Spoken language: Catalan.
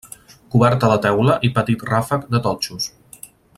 Coberta de teula i petit ràfec de totxos.